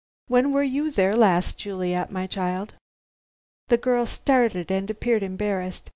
When were you there last, Juliet, my child?" The girl started and appeared embarrassed.